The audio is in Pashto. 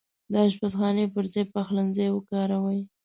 د اشپزخانې پرځاي پخلنځای وکاروئ